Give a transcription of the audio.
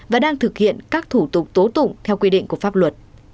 và đang thực hiện các thủ tục tố tụng theo quy định của pháp luật